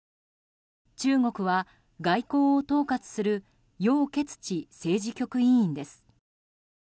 中国は外交を統括するヨウ・ケツチ政治局委員です。